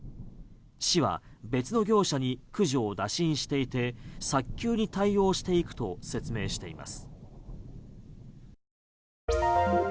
市は別の業者に駆除を打診していて早急に対応していくと説明しています。